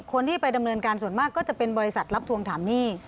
คนที่ไปดำเนินการส่วนมากก็จะเป็นบริษัทรับทวงถามหนี้